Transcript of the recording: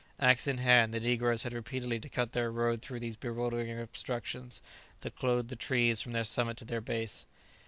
Axe in hand, the negroes had repeatedly to cut their road through these bewildering obstructions that clothed the trees from their summit to their base.